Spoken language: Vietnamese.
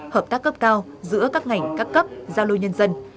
hợp tác cấp cao giữa các ngành các cấp giao lưu nhân dân